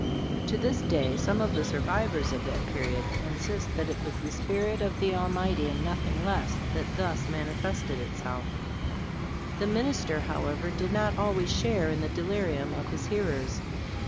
To this day some of the survivors of that period insist that it was the spirit of the Almighty, and nothing less, that thus manifested itself. The minister, however, did not always share in the delirium of his hearers.